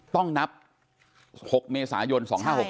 ต้องนับ๖เมษายน๒๕๖๖